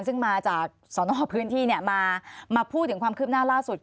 ซึ่งมาจากสนพื้นที่มาพูดถึงความคืบหน้าล่าสุด